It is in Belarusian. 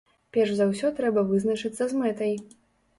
Перш за ўсё трэба вызначыцца з мэтай.